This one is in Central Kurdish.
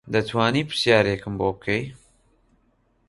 دەتوانی پرسیارێکم بۆ بکەی